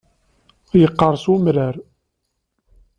Yeqqeṛs umrar.